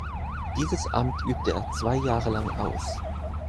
Dieses Amt übte er zwei Jahre lang aus.